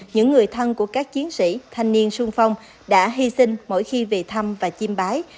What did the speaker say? những người thân của các chiến sĩ thanh niên sung phong đã hy sinh mỗi khi về thăm và chim bái